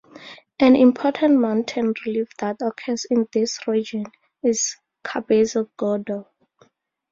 An important mountain relief that occurs in this region is Cabezo Gordo.